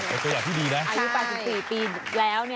เป็นตัวอย่างที่ดีนะอายุ๘๔ปีแล้ว